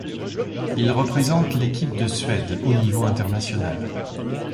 Il représente l'équipe de Suède au niveau international.